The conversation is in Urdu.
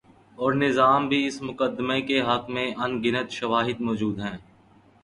اورنظام بھی اس مقدمے کے حق میں ان گنت شواہد مو جود ہیں۔